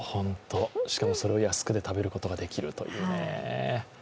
しかも、それを安くて食べることができるというね。